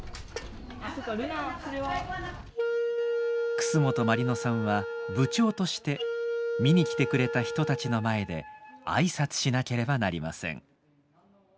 楠本毬乃さんは部長として見に来てくれた人たちの前で挨拶しなければなりません。